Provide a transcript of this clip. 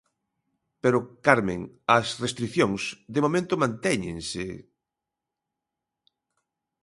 Pero, Carmen, as restricións de momento mantéñense...